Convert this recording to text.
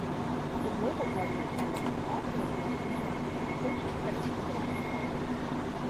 The Global Party of Canada also appears to promote social credit economic policies.